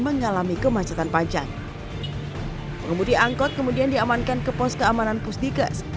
mengalami kemacetan panjang pengemudi angkot kemudian diamankan ke pos keamanan pusdikes